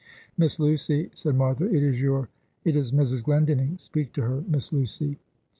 "Miss Lucy" said Martha "it is your it is Mrs. Glendinning. Speak to her, Miss Lucy."